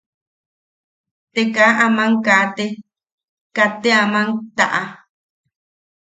Te kaa aman kate, kaa te aman taʼa.